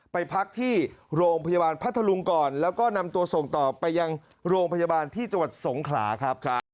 ไปพักที่โรงพยาบาลพัทธลุงก่อนแล้วก็นำตัวส่งต่อไปยังโรงพยาบาลที่จังหวัดสงขลาครับ